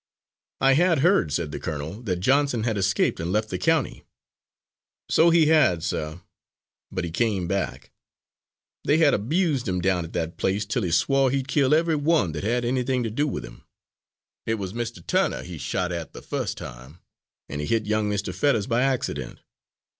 "I had heard," said the colonel, "that Johnson had escaped and left the county." "So he had, sir, but he came back. They had 'bused him down at that place till he swore he'd kill every one that had anything to do with him. It was Mr. Turner he shot at the first time and he hit young Mr. Fetters by accident.